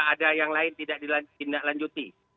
ada yang lain tidak ditindaklanjuti